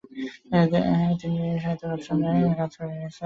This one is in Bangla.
তিনি সাহিত্য রচনার কাজ করে গেছেন।